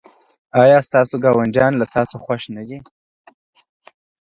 ایا ستاسو ګاونډیان له تاسو خوښ نه دي؟